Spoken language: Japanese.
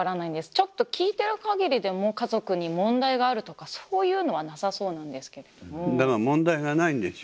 ちょっと聞いてるかぎりでも家族に問題があるとかそういうのはなさそうなんですけれども。